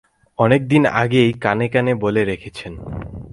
অনেকদিন আগেই কানে কানে বলে রেখেছেন।